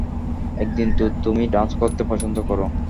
একদিন তো তুমি ডান্স করতে পছন্দ করো?